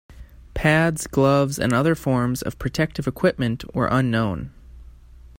Pads, gloves and other forms of protective equipment were unknown.